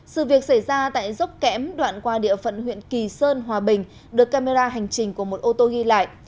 sự việc xảy ra tại dốc kém đoạn qua địa phận huyện kỳ sơn hòa bình được camera hành trình của một ô tô ghi lại